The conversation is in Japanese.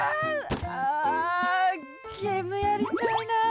あゲームやりたいな。